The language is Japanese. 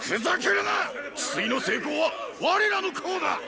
治水の成功は我らの功だ！